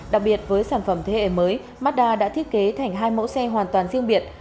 đặc biệt với sản phẩm thế hệ mới mazda đã thiết kế thành hai mẫu xe hoàn toàn riêng biệt